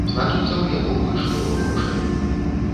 Значыцца, у яго больш было грошай.